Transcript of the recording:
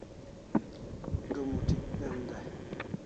Du muti'hik bem dai